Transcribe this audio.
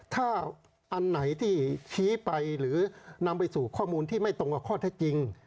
ถ้าอันไหนที่ชี้ไปหรือนำไปสู่ข้อมูลที่ไม่ตรงกับข้อเท็จจริง